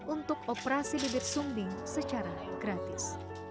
untuk operasi bibir sumbing secara gratis